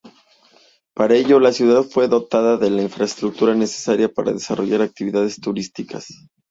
Para ello, la ciudad fue dotada de la infraestructura necesaria para desarrollar actividades turísticas.